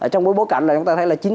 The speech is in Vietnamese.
trong bối bối cảnh là chúng ta thấy là